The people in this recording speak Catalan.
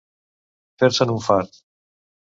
Fer-se'n un fart.